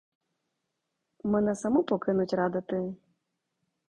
Мене саму покинуть рада ти?